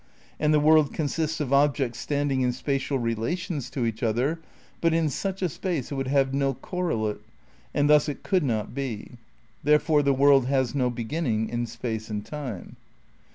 And the world consists of objects standing in spatial relations to each other, but in such a space it would have no correlate and thus it could not be. There fore the world has no beginning in space and time.